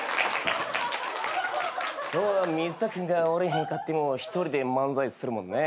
今日は水田君がおれへんかっても１人で漫才するもんね。